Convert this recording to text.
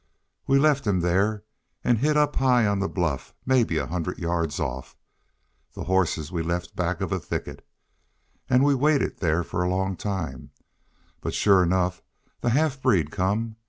We left him thar, an' hid up high on the bluff, mebbe a hundred yards off. The hosses we left back of a thicket. An' we waited thar a long time. But, sure enough, the half breed come.